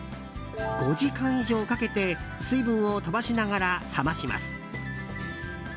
５時間以上かけて水分を飛ばしながら冷まします。